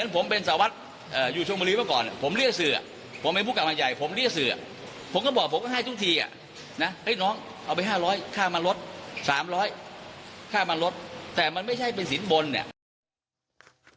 ผมก็บอกผมก็ให้ทุกทีอ่ะนะเฮ้ยน้องเอาไป๕๐๐ค่ามาลด๓๐๐ค่ามาลดแต่มันไม่ใช่เป็นสินบนเนี่ย